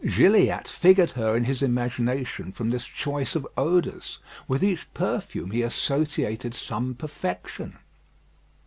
Gilliatt figured her in his imagination from this choice of odours. With each perfume he associated some perfection.